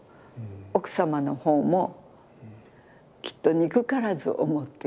奥様のほうもきっと憎からず思ってきた。